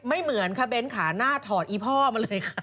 เหมือนค่ะเบ้นขาหน้าถอดอีพ่อมาเลยค่ะ